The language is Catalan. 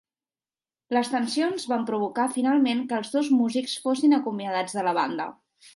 Les tensions van provocar, finalment, que els dos músics fossin acomiadats de la banda.